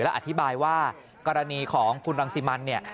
และอธิบายว่ากรณีของคุณรังสิมันเนี่ย